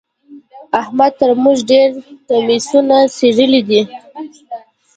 احمد تر موږ ډېر کميسونه څيرلي دي.